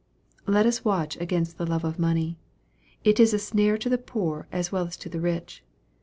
Let us watch against the love of money. It is a snare to the poor as well as to the rich.